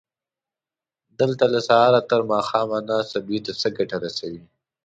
دلته له سهاره تر ماښامه ناسته دوی ته څه ګټه رسوي؟